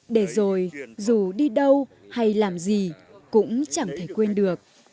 để rồi dù đi đâu hay làm gì cũng chẳng thể quên được